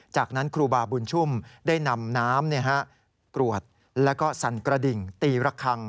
จากนั้นครูบาบุญชุ่มได้นำน้ำกรวดแล้วก็สั่นกระดิ่งตีระคัง